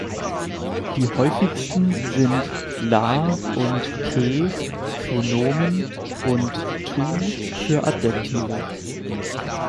Die häufigsten sind -"la" und -"ke" für Nomen, und -"tu" für Adjektive.